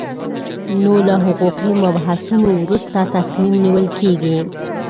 نو له حقوقي مبحثونو وروسته تصمیم نیول کېږي.